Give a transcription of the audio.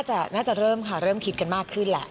ใช่ก็น่าจะเริ่มคิดกันมากขึ้นล่ะ